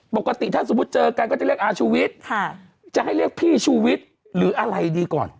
ปกติถ้าสมมุติเจอกันก็จะเรียกอาชูวิทย์จะให้เรียกพี่ชูวิทย์หรืออะไรดีก่อน